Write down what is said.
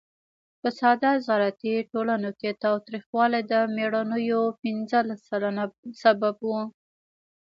په ساده زراعتي ټولنو کې تاوتریخوالی د مړینو پینځلس سلنه سبب و.